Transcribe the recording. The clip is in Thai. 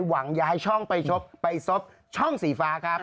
หวังย้ายช่องไปชกไปซบช่องสีฟ้าครับ